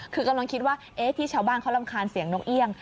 คือกำลังคิดว่าที่ชาวบ้านเขารำคาญเสียงนกเอี่ยง